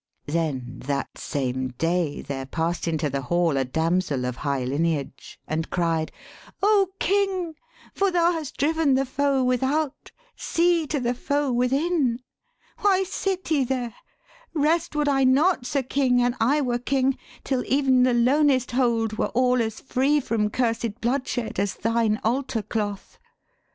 Then that same day there past into the hall A damsel of high lineage, and cried, 'O King, for thou hast driven the foe without, See to the foe within! Why sit ye there? Rest would I not, Sir King, an I were king, Till ev'n the lonest hold were all as free From cursed bloodshed, as thine altar cloth."